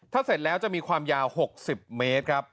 ถ้าเสร็จแล้วจะมีความยาว๖๐เมตรครับ